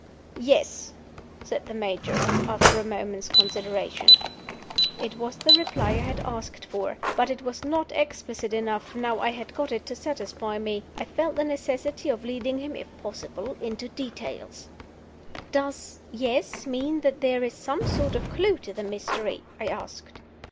"Yes," said the Major, after a moment's consideration. It was the reply I had asked for; but it was not explicit enough, now I had got it, to satisfy me. I felt the necessity of leading him (if possible) into details. "Does 'Yes' mean that there is some sort of clew to the mystery?" I asked.